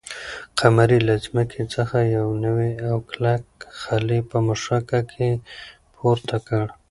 قمرۍ له ځمکې څخه یو نوی او کلک خلی په مښوکه کې پورته کړ.